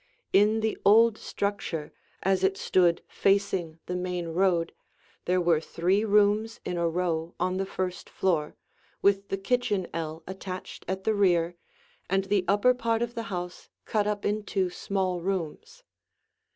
In the old structure, as it stood facing the main road, there were three rooms in a row on the first floor, with the kitchen ell attached at the rear, and the upper part of the house cut up into small rooms.